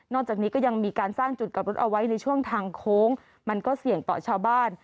จากนี้ก็ยังมีการสร้างจุดกลับรถเอาไว้ในช่วงทางโค้งมันก็เสี่ยงต่อชาวบ้าน